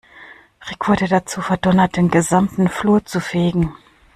Rick wurde dazu verdonnert, den gesamten Flur zu fegen.